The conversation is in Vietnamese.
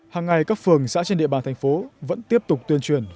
hàng ngày các phường xã trên địa bàn thành phố vẫn tiếp tục tuyên truyền